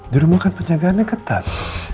dulu mah kan penjagaannya ketat